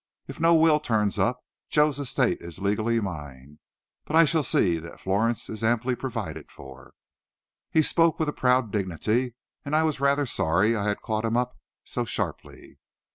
If no will turns up, Joe's estate is legally mine, but I shall see that Florence is amply provided for." He spoke with a proud dignity, and I was rather sorry I had caught him up so sharply.